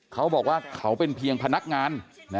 เขาบอกว่าเขาเป็นเพียงพนักงาน